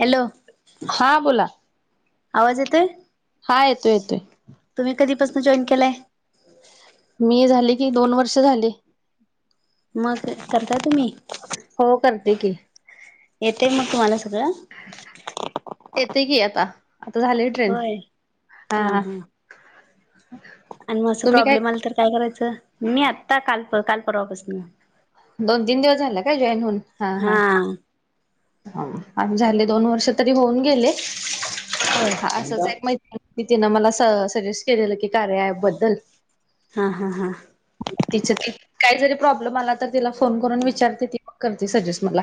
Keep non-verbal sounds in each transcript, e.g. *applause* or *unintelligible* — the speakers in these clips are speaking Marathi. हॅलो. हां बोला. आवाज येतोय. हा येतोय येतोय. तुम्ही कधीपसन जॉईन केलाय. मी झाले की, दोन वर्ष झाले. मग करता तुम्ही, हो करते की येतंय मग तुम्हाला सगळं. येतंय की आता, आता झाले ट्रेन. होय हा आणि मग असं तुम्ही काय प्रॉब्लेम आला तर काय करायचं, मी आत्ता काल काल परवापासन. दोन तीन दिवस झाल काय जॉईन होवून. हा.. हा.. आ -झाले दोन वर्ष तरी होऊन गेले, होय असच एक मैत्री मी तिनं मला स सजेस्ट केलेलं की, कार्याअॅपबद्दल. हा हा हा. तिच काही जरी प्रॉब्लेम आला. तर तिला फोन करून विचारते ती, पण करते सजेस्ट मला.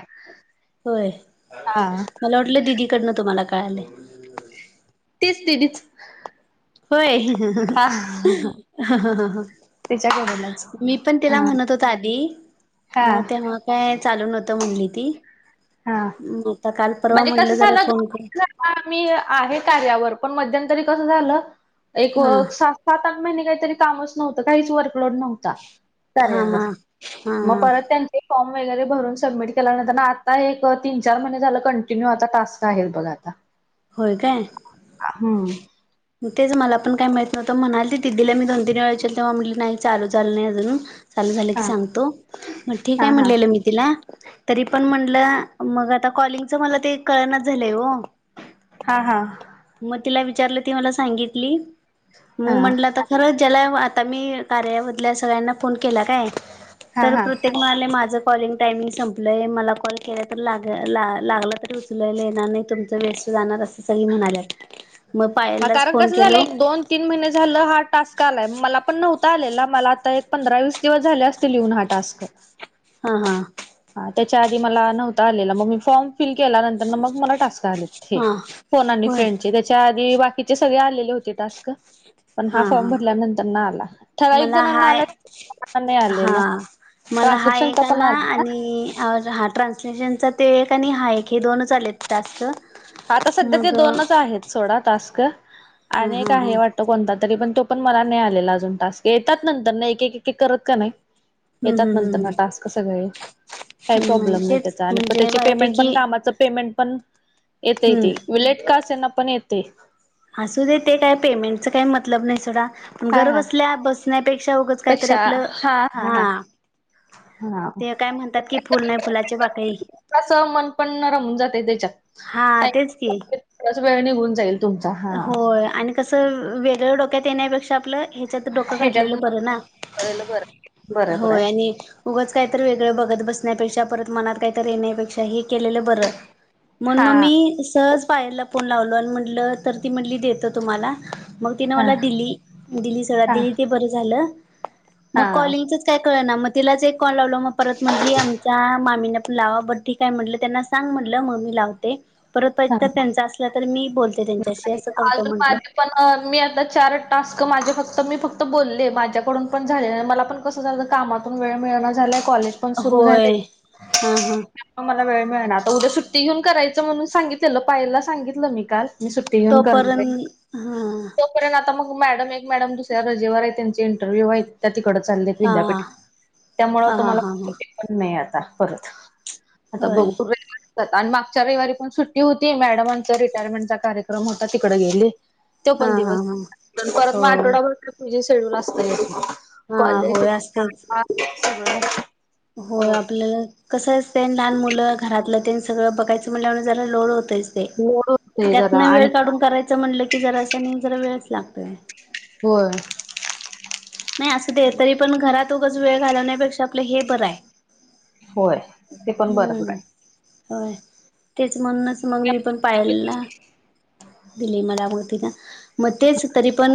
होय आं.. मला वाटलं दिदीकडनं तुम्हाला कळालय. तीच दीदीच. होय, तिच्याकडूनच मी पण तिला हा म्हणत होतो. चा धी हा मग तेव्हा काय चालू नव्हतं म्हणली ती. हा मग आता काल परवा म्हटलं, जरा फोन करू मी आहे कार्यावर पण मध्यंतरी कसं झालं, एक हा सा सात आठ महिने कायतरी कामच नव्हतं, काहीच वर्कलोड नव्ह ता, हा हा कार्यावर हा मग हा परत त्यांन ते फॉर्म वगैरे भरून सबमिट केल्यानंतरन आता एक अ तीन चार महिने झालं कंटिन्यू आता टास्क आहेत बघा आता होय काय हम्म. तेच मला पण काय माहित नव्हतं म्हणाली दिदीला मी दोन, तीन वेळा विचार तेव्हा म्हटली नाय चालू झाल नाय अजून चालू झालं की हा सांगतो मग ठीक हा हाय हा म्हणलेलं मी तिला तरी पण म्हणलं मग आता कॉलिंगच मला ते कळनाच झालंय ओ हा, हा मग तिला विचारलं ती मला सांगितली हा मग म्हटलं आता खरं जेल्या आता मी कार्यामधल्या सगळ्यांना फोन केला काय हा तर हा. प्रत्येक म्हणाल माझं कॉलिंग टायमिंग संपलय मला कॉल केला तर लाग ला लागल तरी उचलयला येणार नाय तुम वेस्ट जाणार अस सगळी म्हणाल्यात मग पायललाच कारण कस फोन केलो झालं दोन तीन महिने झालं हा टास्क आलाय मला पण नव्हता आलेला मला आता एक पंधरा वीस दिवस झाले अस ते लिहून हा टास्क हा, हा त्याच्या आधी मला नव्हता आलेला मग मी फॉर्म फील केल्या नंतरन मग मला टास्क आलेत हे हा फोन आणि होय फ्रेंड चे च्या आधी बाकीचे सगळे आलेले होते टास्क पण हा फॉर्म भरल्यानंतर ना आला ठराविक मला जणांना हाय आलाय नाय हा आलेला मला हा ट्रानस्क्रिपशन एक चा पण आला आलाय ना? आणि हा ट्रान्सलेशनचा ते एक आणि हा एक हे दोन चालेत टास्क आता सध्या ते मग हा दोनच आहेत सोडा टास्क आणि एक हा हा आहे वाट त कोणता तरी पण तो पण मला नइ आलेला अजून टास्क येतात नंतर नइ एक, एक, एक, एक करत क नइ हम्म येतात हम्म नंतर हम्म न टास्क सगळे काय हम्म नाही प्रॉब्लेम नाय तेच त्याचा आणि म्हणजे त्याचे पेमेंट बऱ्यापैकी पण कामाच पेमेंट पण येतय हम्म ते विलेट का असना पण येतय असू दे ते काय पेमेंटच काय मतलब नाय सोडा हा घर हा बसल्या बस नाय पेक्षा उगच काय तरी आपलं हा आ हा ते काय म्हणतात कि फुल नाही फुलाचे पाकळी थोडस मन पण रमून जाते त्याच्यात हा टाइम तेच की वेळ निघून जाईल तुमचा हा होय आणि कसं वेगळ डोक्यात येण्यापेक्षा आपलं हे त्यात डोकं ह्याच्यात घातलेलं मग बर ना कळलं बरं बरं बरं होय आहे. आणि उगंच काय तरी वेगळ बघत बसण्यापेक्षा परत मनात कायतरी येण्यापेक्षा हे केलेलं बरं मन मग हा मी सहज पायला फोन लावलो आणि म्हटलं तर ती म्हटली देतो तुम्हाला मग तिन हा मला दिली, दिली सगळं हा दिली ते बरं झालं मग हा कॉलिंगचच काय कळना मग तिलाच एक कॉल लावलो मग परत म्हटली आमच्या मामीना पण लावा बर ठीक का म्हणलं त्यांना सांग म्हणलं ममी लावते परत हा त्यां अस तर मी बोलते कशी अस करतो अजून म्हंटलं माझे पण मी आता चार टास्क माझे फक्त मी फक्त बोलले माझ्याकडून पण झाले मला पण कस झा कामातून वेळ मिळ झाय कॉलेज पण सुरू झाले होय हा हा म मला वेळ मिळना आता उद्या सुट्टी घेऊन करायचं म्हणून सांगितलेलं पायला सांगितलं मी काल मी सुट्टी घेऊन करणार तोपर्यंत हा कारण आता मग मॅडम एक मॅडम दुसऱ्या रजेवर आहे त्यांचे इंटरव्ह्यू आहेत त्या तिकड चाललेत हा विद्यापीठ त्यामुळ हा हा आता हा हा मला हा पण नाही आता परत आता होय बघू आणि मागच्या रविवारी पण सुट्टी होती मॅडमांचा रिटायरमेंटचा कार्यक्रम होता तिकडे गेले त्यो हा पण हा दिवस हा परत मग होय आठवडाभर े शेड्यल असत हा कॉलेज होय सळ हो आपलं कसं असतं लहान मुलं घरातलं तेनी सगळं बघायचं म्हणल्या जरा लोड होतच ते लोड होतंय जरा त्यातन आणि वेळ काढून करायच म्हटलं की जरा अस म जरा वेळच लागतोय हो नाही असं ते तरी पण घरात उगंच वेळ घालवण्यापेक्षा आपलं हे बरं आहे होय ते पण बरोबर हम्म आहे. होय तेच म्हणूनच मग मी पण पाहिला ना दिली मला मग ति ना मग तेच तरी पण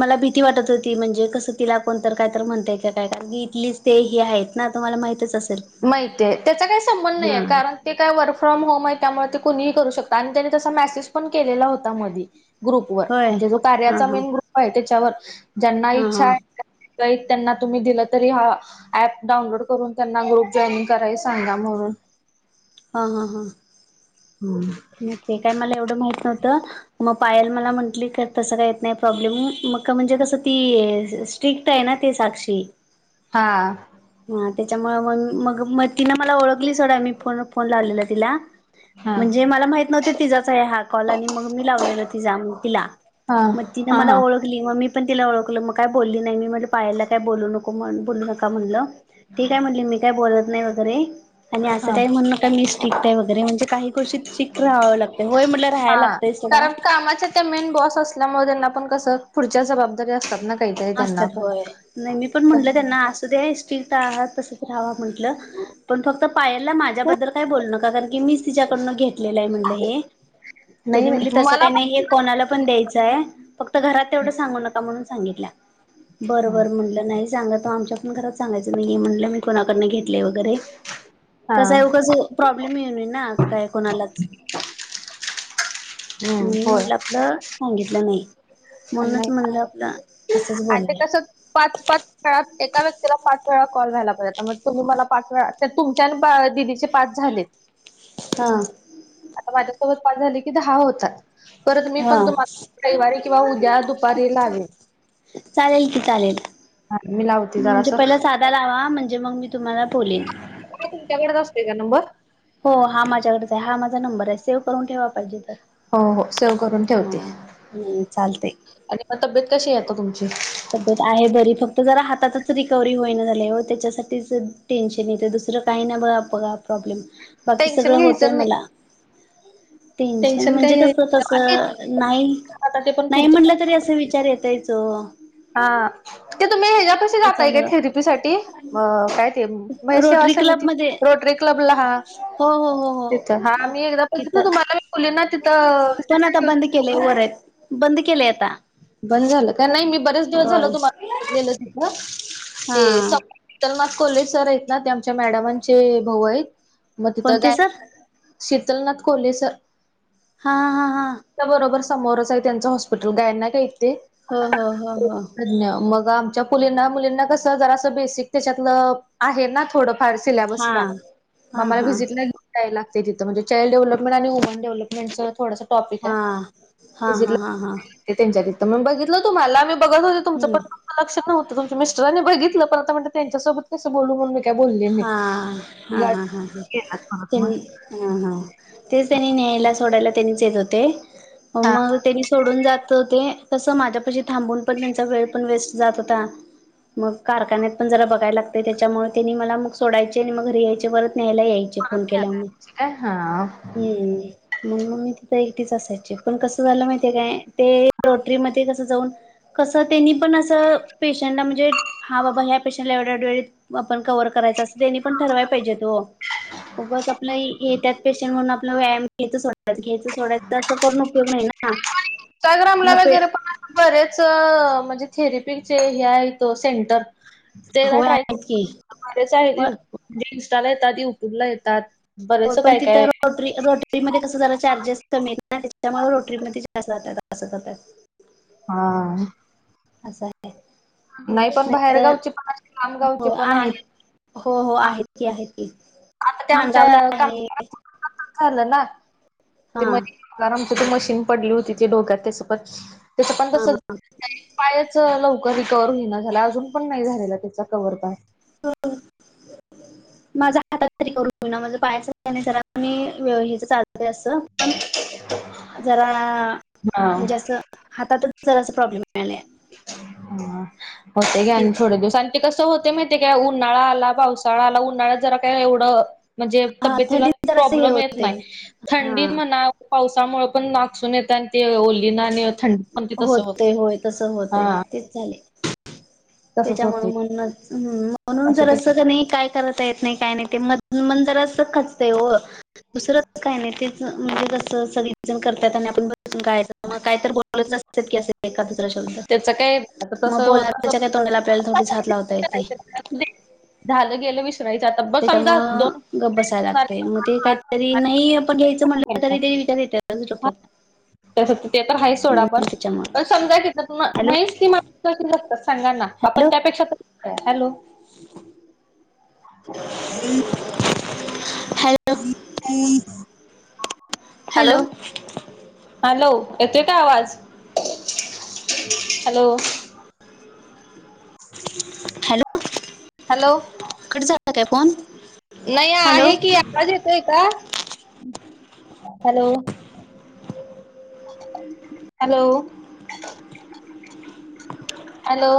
मला भीती वाटत ती म्हणजे कसं तिला कोणत काय तर म्हणताय काय कारण की इथलीच ते ही आहेत ना तुम्हाला माहितच असेल माहिितय त्याचा काही संबंध हा. नाहीय कारण ते काय वर्क फ्रॉम होम आहे त्यामुळे ते कुणीही करू शकता आणि त्यानी तसा मेसेज पण केलेला होता मध ग्रुप वर होय म्हणजे जो हा कार्याचा हा मेन ग्रुप आहे त्याच्यावर ज्यांना हा इच्छा हा आहे त्यांना तुम्ही दिला तरी हा प डाउनलोड करून त्यां ग्रुप जॉईन कराय सांगा म्हणून हा हां हां होम काय मला एवढं माहित नव्हतं मग पायल मला म्हटली का तसं काय येत नाही प्रॉब्लेम मग का म्हणजे कसं ती स्ट्रिक्ट आहे ना ते साक्षी हा हा त्याच्यामुळे मग मग मग तिनं मला ओळखली सोडा मी फोन लावलेला तिला हा म्हणजे मला माहित नव्हते तिजाचा आहे हा कॉलनी मग मी लावलेला तिजा तिला हा हा हा गली मग मी पण ति ओळखलं मग काय बोलली नाही मी म्हणे पायाला काय बोलू नको म्हण बोलू नका म्हणलं ते काय म्हटली मी काय बोलत नाही वगैरे आणि असं हा काही म्हण मिस्टिक आहे वगैरे म्हणजे काही गोष्टी सिक्टट राहाव लागतय होय म्हटलं राहायला हा लागतंय सोडा कारण कामाच्या मेन बॉस असल्यामुळे त्यांना पण कस पुढच्या जबाबदारी असतात काहीतरी त्यांना असतात पण होय नाही मी पण म्हटलं त्यांना अस दे्या स्टिक्ट आहात तसंच राहावा म्हंटलं पण फक्त पायलला माझ्याबद्दल काय बोल नका कारण की मीच तिच्याकडनं घेतलेलं आहे म्हणलं हे नाही त्यांनी म्हणले नाही तसं मला काही नाही हे कोणाला पण द्यायचंय फक्त घरात तेवढं सांगू नका म्हणून सांगितलं बरं हा बर म्हटलं नाही सांगा तो आमच्या पण घरात सांगायचं नाही म्हटलं मी कोणाकड घेत वगैरे हा कस ए प्रॉब्लेम येऊय ना काय कोणालाच हम्म म्हण होय म्ह आप सांगितलं नाही पण म्हणच नाही म्हणलं आपलं असंच आणि ते बोलूया कसं पाच पाच काेळात एका व्यक्तीला पाच वेळा कॉल व्हायला पाहिजेता मग तुम्ही मला पाच वेळा तुमच्या आणि दिदीचे पाच झालेत हा आता माझ्यासोबत पाच झाले की दहा होतात परत मी पण हा तुम्हाला रविवारी किंवा उद्या दुपारी लागल चालेल की चालेल हा मलाव म्हणजे पहिला साधा लावा म्हणजे मग मी तुम्हाला बोलेन तुमच्याकडच असतेय का नंबर हो हा माझ्याकडे आहे हा माझा नंबर आहे सेव करून ठेवा पाहिजे हो हो तर सेव्ह करून ठेवते हा चालते आणि मग तब्येत कशी आहेे आता तुमची तब्येत आहे बरी फक्त जरा हातातच रिकवर्ही होई ना झाले व त्याच्यासाठीच टेन्शन नाही तर दुसरं काही ना बघ बघ प्रॉब्लेम बाकी टेन्शन सगळं होतय घ्यायचं नाही मला तीनशे टेन्शन म्हणजे काही कसं घ्यायचं कसं नाईनथ आता ते पण नाही म्हटलं तरी असा पुढचं विचार येतायच हा ते तुम्ही हच्या्या कशी जाताय काय त्याच्यामुळं थेरपी साठी म काय ते म्हैसेव रोटरी क्लब समीतिथ मध्ये रोटरी क्लबला हा हो हो हो हो तिथं हा मी एकदा बघितल ना तिथं तुम्हाला मुलींना तिथ केलेय वर बंद केलेय आता बंद झालं का नाही मी बरेच दिवस झाल होय तुम्हाला बघितलेल हा तिथ तर मग कोलेज सर आहेत ना ते आमच्या मॅडमांचे भाऊ आहेत मग तिथं कोणते गा सर शीतलनाथ कोल्हेस हा हा हा हा त्या बरोबर समोरच आहे त्यांच हॉस्पिटल गायना काही हो हो हो हो तज्ञ मग आलीं मुलींना कस जरा बेसिक त्याच्यातलं आहे ना थोड फार सिलेबस हा ला हा ममला हा व्हिजिट लाे लागते तिथ म्हणजेचाईड डेव्हपमेट आणि वुमनडेव्हपमें थोडं हा हा हा हा हा त्यांच्याि्तं मग बघितलं तुम्हाला आ मी बघत होते तुमच हम्म पण लक्ष नवतंुम मिस्टरांनी बघितलं पण आताण त्यांच्यासोबत कंस बोलूण का बोलले हा हा हा हा ह त्यांनी हा हा तेच त्यांनी न्यायला सोडायला त्यांनीच येत होते हा मग त्यांनी सोडून जात होते तस माझ्या पशी थांबून पण त्यांचा वेळ पण वेस्ट जात होता मग कारखान्यात पण जरा बघायला लागते त्याच्यामुळे त्यांनी मला सोडायचे आणि मग घरी यायचे परत न्यायला यायचे फोन केल्यामुळे काय हा हम्म मग मग मी तिथं एकटीच असायची पण कसं झालं माहितीे काय ते रोटरी मध्ये कसं जाऊन कसं त्यांनी पण असं पेशंटला म्हणजे हा बाबा ह्या पेशंटला एवढ्या वेळीत आपण कवर करायला पाहिजे आस त्यांनी पण ठरवायला पाहिजेत ओ उगाच आपलं येत्यात तेशन वरून आणि मग व्यायाम घ्यायच सोडा घ्यायचं सोडायच असं पण उपयोग नाही ना इंस्टाग्रामला मग प वगैरे पण बरेच म्हणजे थेरपीचे हे आहे तो सेंटर तेला होय ट्राय आहेत की. करच होय आहेणजे इंस्टाला येतात युट्यूबला येतात हो बरेच पण काय तिथं काय रोटरी रोटरीमध्ये कसं झालं चार्जेस त्याच्यामुळे रोटरीमध्ये जा जात अस जातात हा अस आहे नाही पण नाहीतर बाहेरगावची पण आहे हो लामगावची पण आहेत. आहे हो हो आहेत ती आहे ती आता ते आमच्या का झालं ना ते हा म कारण आमच्या ते मशीन पडली होती त डोक्यात त्याचं पण त्याचं पण हा तसं नाही पायच लवकर रिकवर होईना झाल्या अजून पण नाही झालेला त्याचा कवर प हा माझा हातात तरी करून घे ना माझ पायाचा नाही जरा मी व हचचाजत अस पण जरा हा. म्हणजे असं हातातच जरा अस प्रॉब्लेम यायलय ह होते घ्या आणि तेच थोडे दिवसां ते कसं होते माहितीे काय उन्हाळा आला पावसाळा आला उन्हाळ्यात जरा काय एवढं म्हणजे हा तब्येतीला थंडीत जरासं हे प्रॉब्लेम येत होते नाही हा थंडीत म्हणा पावसामुळे पण नागसून येत आणि त ओली ना आणि थंडी पण त तसं हो होते होय तसं होत आहे तेच झाले तसंच त्याच्यामुळे होते म्हण म्हणून जर असं नाही काय करायच येत नाही काही नाही ते म मंतरच खचतय हो दुसरं काय नाही तेच म्हणजे कसं सगळे जण करतात आणि आपण बसूनयच म काय तर बोच एका दुसरा शोब त्याचं काय आता मग तसं बोल होत असं मला आपल्याला थोडीच हात लावता येथे झालं गेलं विसरायचं आता बस समजा दोन त्याच्यामुळ ग बसायला लागतय, मग ते काहीतरी नाही आपण घ्यायचं म्हटलं, तरी ते- ेत *unintelligible* त्यास ते तर आहेा सोडा मग पण त्याच्यामुळं पण समजा कि त हॅलो नाहीच ती *unintelligible* तात सांगाना आपण हॅलो त्यापेक्षा *unintelligible* हॅलो? Hello *unintelligible* hello? हॅलो, येतोय काय आवाज? हॅलो? हॅलो? हॅलो? कट झाला काय फोन? नाय हॅलो आहे की- आवाज येतोय का? हॅलो? हॅलो? हॅलो?